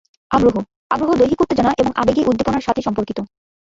আগ্রহ: আগ্রহ দৈহিক উত্তেজনা এবং আবেগীয় উদ্দীপনার সাথে সম্পর্কিত।